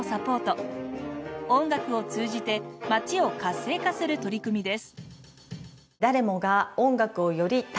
音楽を通じて街を活性化する取り組みです。